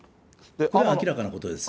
これは明らかなことです。